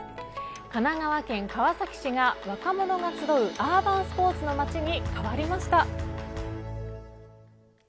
神奈川県川崎市が、若者が集うアーバンスポーツの街に変わりました。